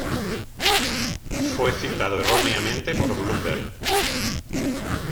Fue citado erróneamente por Bloomberg.